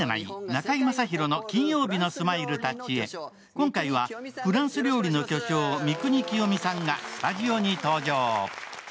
今回は、フランス料理の巨匠、三國清三さんがスタジオに登場。